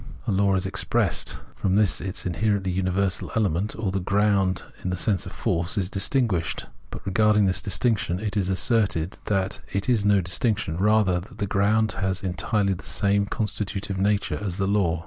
A law is expressed ; from this its in herently universal element, or the ground in the sense Understanding 149 of force, is distinguished ; but, regarding this distinc tion, it is asserted that it is no distinction, rather that the ground has entirely the same constitutive nature as the law.